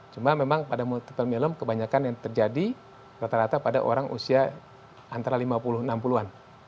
cuma memang pada multiple millem kebanyakan yang terjadi rata rata pada orang usia antara lima puluh enam puluh an